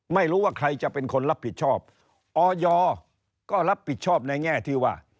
ไม่รู้ว่าใครจะเป็นคนรับผิดชอบออยก็รับผิดชอบในแง่ที่ว่า